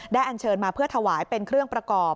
อันเชิญมาเพื่อถวายเป็นเครื่องประกอบ